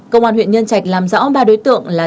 công an huyện nhân trạch làm rõ ba đối tượng là